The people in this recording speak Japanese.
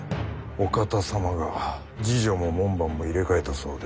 お方様が侍女も門番も入れ替えたそうで。